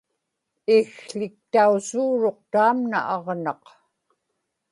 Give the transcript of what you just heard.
ikł̣iktausuuruq taamna aġnaq